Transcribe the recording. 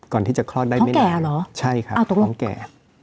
ก่อนที่จะคลอดได้ไม่ได้เลยใช่ครับคล้องแก่ท้องแก่เหรอ